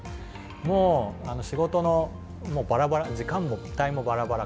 もう仕事もバラバラ時間帯もバラバラ。